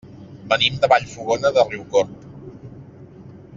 Venim de Vallfogona de Riucorb.